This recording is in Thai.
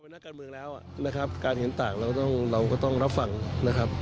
แล้วนะครับการเห็นต่างแล้วเราก็ต้องรับฟังนะครับ